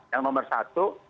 yang nomor satu